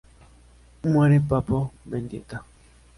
Muere Papo Mendieta.